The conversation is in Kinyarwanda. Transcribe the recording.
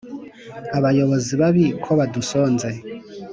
abayobozi babi ko badusonze